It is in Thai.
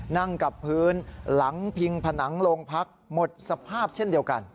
นั่งกับพื้นหลังพิงผนังโรงพักหมดสภาพเช่นเดียวกัน